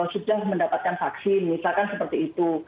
sudah mendapatkan vaksin misalkan seperti itu